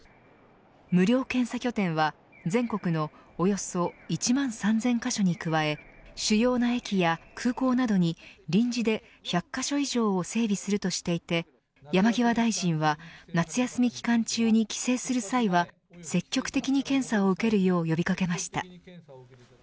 無料検査拠点は全国のおよそ１万３０００カ所に加え主要な駅や空港などに臨時で１００カ所以上を整備するとしていて山際大臣は、夏休み期間中に帰省する際は積極的に検査を受けるよう呼び掛けました。